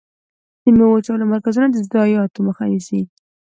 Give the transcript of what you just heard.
د ميوو وچولو مرکزونه د ضایعاتو مخه نیسي.